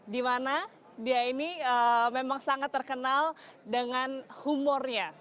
di mana dia ini memang sangat terkenal dengan humornya